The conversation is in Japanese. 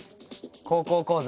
「高校講座」。